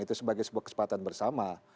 itu sebagai kesempatan bersama